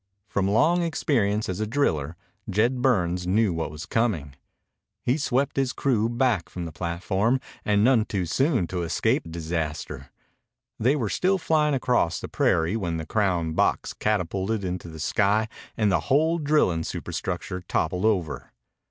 From long experience as a driller, Jed Burns knew what was coming. He swept his crew back from the platform, and none too soon to escape disaster. They were still flying across the prairie when the crown box catapulted into the sky and the whole drilling superstructure toppled over.